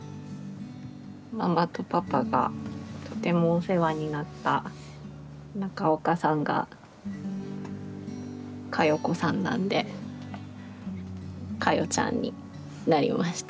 ママとパパがとてもお世話になった中岡さんが香代子さんなんで華代ちゃんになりました。